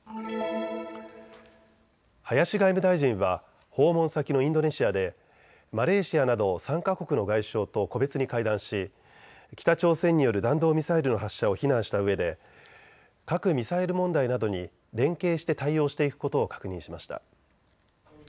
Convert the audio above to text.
林外務大臣は訪問先のインドネシアでマレーシアなど３か国の外相と個別に会談し北朝鮮による弾道ミサイルの発射を非難したうえで核・ミサイル問題などに連携して対応していくことを確認しました。